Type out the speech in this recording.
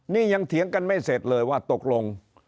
นี่ยังเถียงกันไม่เสร็จเลยว่าตกลง